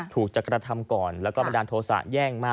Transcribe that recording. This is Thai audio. ถูกจักรธรรมก่อนแล้วก็บันดาลโทษะแย่งมา